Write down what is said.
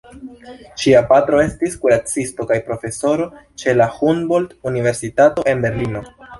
Ŝia patro estis kuracisto kaj profesoro ĉe la Humboldt-Universitato en Berlino.